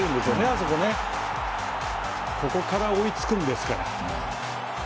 そこから追いつくんですから。